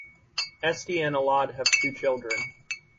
Esti and Elad have two children.